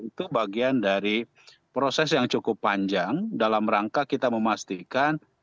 itu bagian dari proses yang cukup panjang dalam rangka kita memastikan